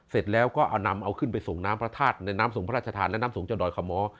เสร็จแล้วก็เอานำเอาขึ้นไปส่งน้ำพระธาตุในน้ำส่งพระราชทานและน้ำสูงเจ้าดอยขม้อ